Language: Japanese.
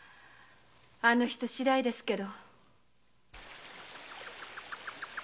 あの人次第ですけど。